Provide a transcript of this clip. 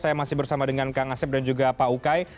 saya masih bersama dengan kang asep dan juga pak ukay